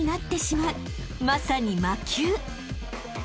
［まさに魔球］